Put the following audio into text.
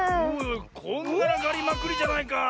こんがらがりまくりじゃないかあ。